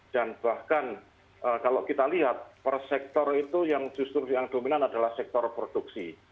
dan bahkan kalau kita lihat per sektor itu yang justru yang dominan adalah sektor produksi